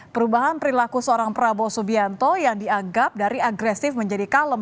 perubahan perilaku seorang prabowo subianto yang dianggap dari agresif menjadi kalem